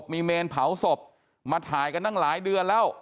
มีเมนเผาศพมาถ่ายกันตั้งหลายเดือนแล้ว